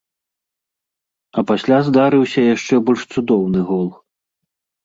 А пасля здарыўся яшчэ больш цудоўны гол.